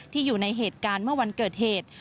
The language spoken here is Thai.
อยู่ในเหตุการณ์เมื่อวันเกิดเหตุ